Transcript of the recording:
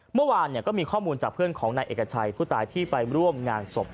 เมื่อวานก็มีข้อมูลจากเพื่อนของนายเอกชัยผู้ตายที่ไปร่วมงานศพ